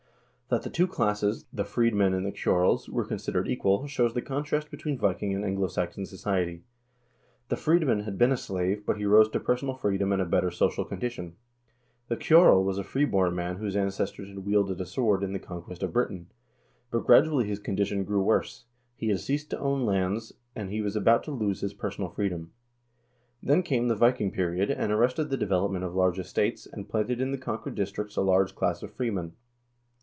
That the two classes, the freedmen and the ceorls, were considered equal, shows the contrast between Viking and Anglo Saxon society. The freedman had been a slave, but he rose to personal freedom and a better social condition. The ceorl was a freeborn man whose ancestors had wielded the sword in the conquest of Britain. But gradually his condition grew worse; he had ceased to own lands, and he was about to lose his personal freedom. Then came the Viking period, and arrested the development of large estates, and planted in the conquered districts a large class of freemen.